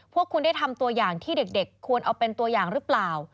พวกคุณได้ทำตัวอย่างที่เด็กควรเอาเป็นตัวอย่างหรือเปล่า